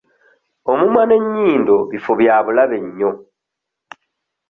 Omumwa n'ennyindo bifo bya bulabe nnyo.